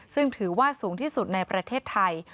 ซึ่งถือว่าสูงที่สุดในประเทศไทย